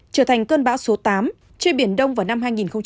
trở thành cơn bão số tám trên biển đông vào năm hai nghìn hai mươi